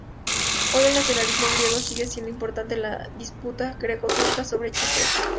Hoy el nacionalismo griego sigue siendo importante en la disputa greco-turca sobre Chipre.